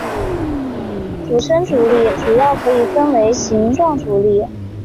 寄生阻力主要可以分为形状阻力。